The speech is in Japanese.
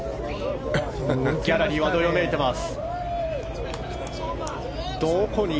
ギャラリーはどよめいています。